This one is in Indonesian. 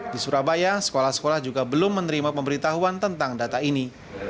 di surabaya sekolah sekolah juga belum menerima pemberitahuan tentang data ini